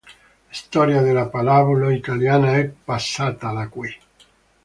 La storia della Pallavolo italiana è passata da qui.